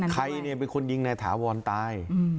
ใครเนี่ยเป็นคนยิงในถาวรตาย